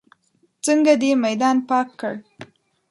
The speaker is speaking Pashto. څنګه دې میدان پاک کړ.